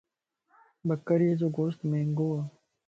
ٻڪري جو گوشت مھنگو ائي